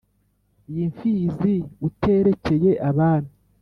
Iyi Mfizi uterekeye Abami